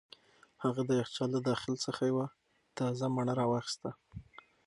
هغه د یخچال له داخل څخه یوه تازه مڼه را واخیسته.